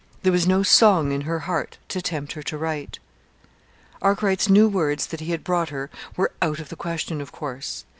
There was no song in her heart to tempt her to write. Arkwright's new words that he had brought her were out of the question, of course.